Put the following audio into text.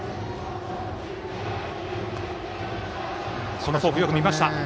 このフォークよく見ました。